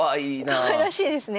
かわいらしいですね。